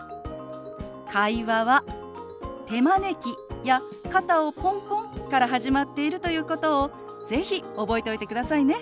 会話は手招きや肩をポンポンから始まっているということを是非覚えておいてくださいね。